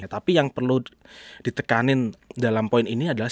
tapi yang perlu ditekanin dalam poin ini adalah